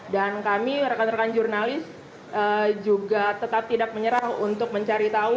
dan kami rekan rekan jurnalis juga tetap tidak menyerah untuk mencari tahu